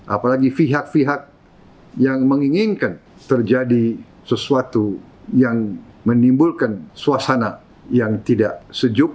apalagi pihak pihak yang menginginkan terjadi sesuatu yang menimbulkan suasana yang tidak sejuk